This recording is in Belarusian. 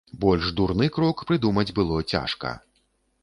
Больш дурны крок прыдумаць было цяжка.